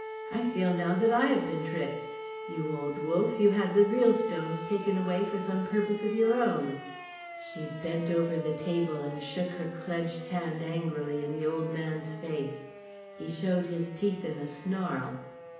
I feel now that I have been tricked. You old wolf, you had the real stones taken away for some purpose of your own." She bent over the table and shook her clenched hand angrily in the old man's face. He showed his teeth in a snarl.